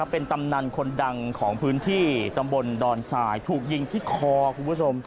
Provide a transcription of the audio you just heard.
เป็นตำนันคนดังของพื้นที่ตำบลดอนสายถูกยิงที่คอ